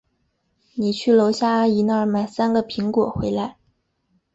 你去楼下阿姨那儿买三个苹果回来。